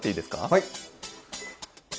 はい。